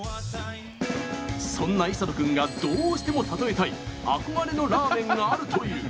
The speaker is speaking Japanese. そんな磯野くんがどうしても例えたい憧れのラーメンがあるという。